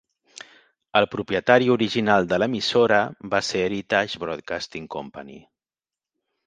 El propietari original de l'emissora va ser Heritage Broadcasting Company.